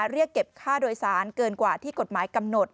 เรียกเก็บค่าโดยสารเกินกว่าที่กฎหมายกำหนด